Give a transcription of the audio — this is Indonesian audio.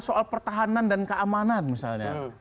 soal pertahanan dan keamanan misalnya